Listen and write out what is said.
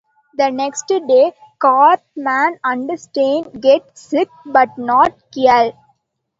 The next day, Cartman and Stan get sick, but not Kyle.